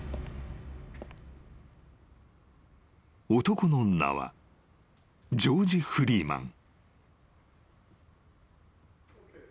［男の名はジョージ・フリーマン］